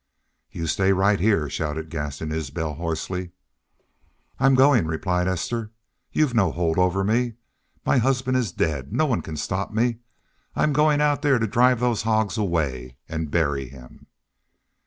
"You stay right heah," shouted Gaston Isbel, hoarsely. "I'm goin'," replied Esther. "You've no hold over me. My husband is dead. No one can stop me. I'm goin' out there to drive those hogs away an' bury him."